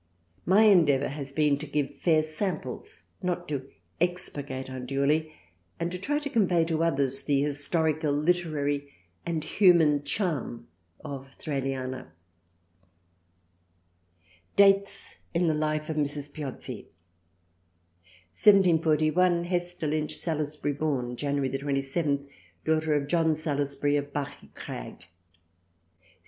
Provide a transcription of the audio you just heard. My endeavour has been to give fair samples, not to expurgate unduly, and to try to convey to others the historical, literary and human charm of " Thraliana." Dates in the Life of Mrs. Piozzi. 1 74 1. Hester Lynch Salusbury born — Jany. 27 — daughter of John Salusbury of Bachycraig. 1762.